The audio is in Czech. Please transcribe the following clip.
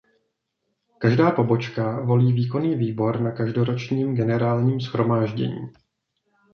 Každá pobočka volí výkonný výbor na každoročním Generálním shromáždění.